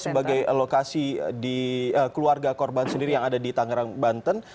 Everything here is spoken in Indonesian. sebagai lokasi di keluarga korban sendiri yang ada di tangerang banten